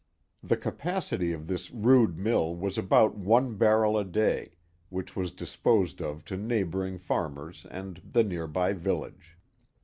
The capacity of this rude mill was about one barrel a day, which was disposed of to neighboring farmers and the near by village.